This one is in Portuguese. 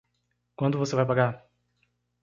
Quando você vai pagar?